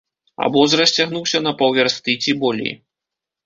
Абоз расцягнуўся на паўвярсты ці болей.